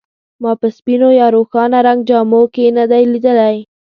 ما په سپینو یا روښانه رنګ جامو کې نه دی لیدلی.